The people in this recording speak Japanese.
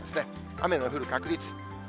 雨の降る確率。